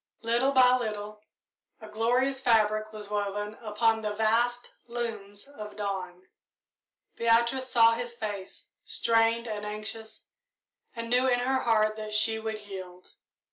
Little by little a glorious fabric was woven upon the vast looms of dawn. Beatrice saw his face, strained and anxious, and knew in her heart that she would yield.